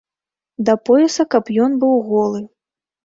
Да пояса каб ён быў голы!